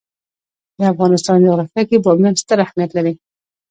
د افغانستان جغرافیه کې بامیان ستر اهمیت لري.